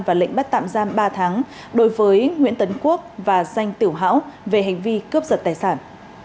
và lệnh bắt tạm giam ba tháng đối với nguyễn tấn quốc và danh tiểu hão về hành vi cướp giật tài sản